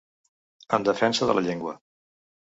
En defensa de la llengua.